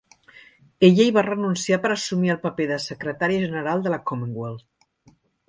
Ella hi va renunciar per assumir el paper de secretària general del la Commonwealth.